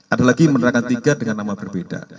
ada lagi menerangkan tiga dengan nama berbeda